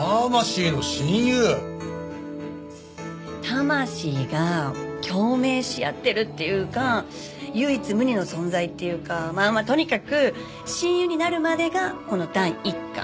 魂が共鳴し合ってるっていうか唯一無二の存在っていうかまあまあとにかく親友になるまでがこの第１巻。